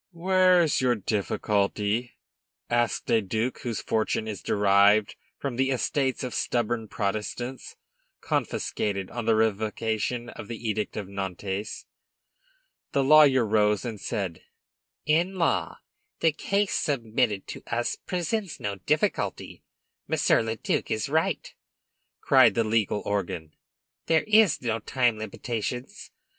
"Where's your difficulty?" asked a duke whose fortune is derived from the estates of stubborn Protestants, confiscated on the revocation of the Edict of Nantes. The lawyer rose, and said: "In law, the case submitted to us presents no difficulty. Monsieur le duc is right!" cried the legal organ. "There are time limitations.